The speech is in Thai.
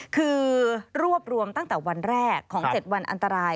คือรวบรวมตั้งแต่วันแรกของ๗วันอันตราย